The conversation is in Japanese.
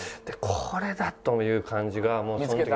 これだという感じがもうその時。